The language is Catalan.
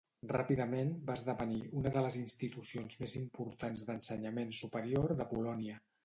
Ràpidament va esdevenir una de les institucions més importants d'ensenyament superior de Polònia.